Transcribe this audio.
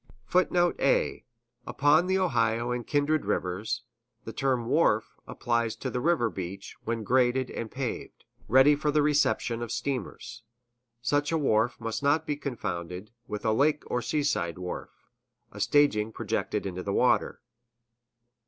[Footnote A: Upon the Ohio and kindred rivers, the term "wharf" applies to the river beach when graded and paved, ready for the reception of steamers. Such a wharf must not be confounded with a lake or seaside wharf, a staging projected into the water.